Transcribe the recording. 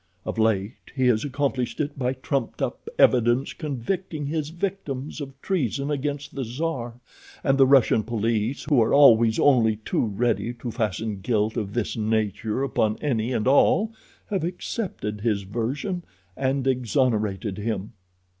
Of late he has accomplished it by trumped up evidence convicting his victims of treason against the czar, and the Russian police, who are always only too ready to fasten guilt of this nature upon any and all, have accepted his version and exonerated him."